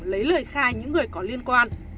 lấy lời khai những người có liên quan